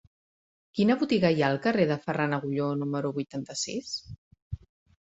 Quina botiga hi ha al carrer de Ferran Agulló número vuitanta-sis?